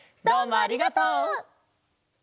どうもありがとう！